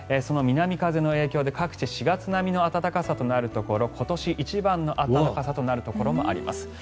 南風の影響で各地４月並みの暖かさとなるところ今年一番の暖かさとなるところがあります。